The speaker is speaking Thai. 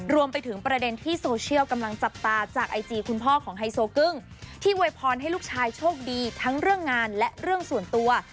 รวมไปถึงประเด็นที่โซเชียลกำลังจับตาจากไอจีคุณพ่อของไฮโซกึ้งที่โวยพรให้ลูกชายโชคดีทั้งเรื่องงานและเรื่องส่วนตัว